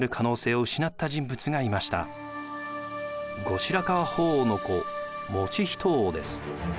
後白河法皇の子以仁王です。